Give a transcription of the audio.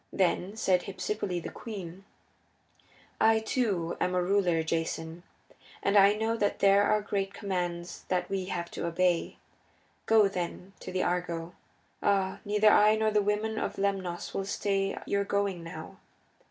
Then said Hypsipyle, the queen, "I, too, am a ruler, Jason, and I know that there are great commands that we have to obey. Go, then, to the Argo. Ah, neither I nor the women of Lemnos will stay your going now.